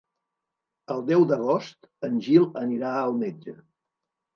El deu d'agost en Gil anirà al metge.